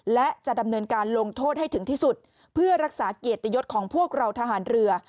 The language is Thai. และจะดำเนินการลงโทษให้ถึงที่สุดเพื่อรักษาเกียรติยศของพวกเราทหารเรือ